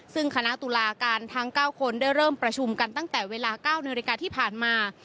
ซึ่งคณะตุลาการทั้ง๙คนได้เริ่มประชุมกันตั้งแต่เวลา๙นาฬิกาที่ผ่านมา